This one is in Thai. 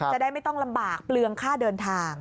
จะได้ไม่ต้องลำบากเปลืองค่าเดินทาง